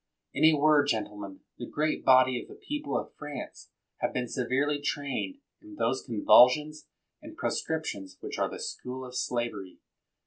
In a word, gentlemen, the great body of the people of France have been severely trained in those convulsions and proscriptions which are the school of slavery.